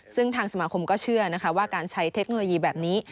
ซึ่งทางสมาคมก็เชื่อนะคะว่าการใช้เทคโนโลยีแบบนี้